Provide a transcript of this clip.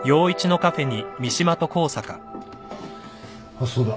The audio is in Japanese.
あっそうだ。